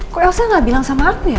kok elsa gak bilang sama aku ya pak